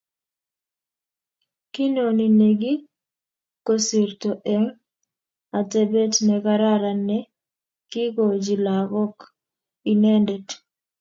kinoni nekikosirto eng atebet ne kararan ne kikochi lakok inendet